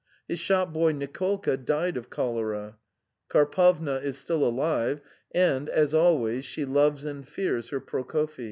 His boy Nicolka died of cholera. Karpovna is still alive, and still loves and fears her Prokofyi.